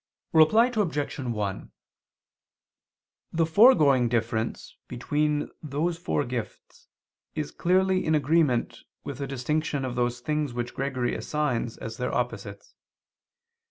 Reply Obj. 1: The foregoing difference between those four gifts is clearly in agreement with the distinction of those things which Gregory assigns as their opposites.